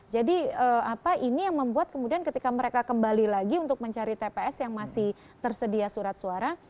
jadi apa ini yang membuat kemudian ketika mereka kembali lagi untuk mencari tps yang masih tersedia surat suara